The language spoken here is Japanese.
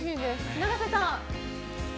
永瀬さん。